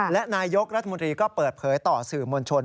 และนายกรัฐมนตรีก็เปิดเผยต่อสื่อมวลชน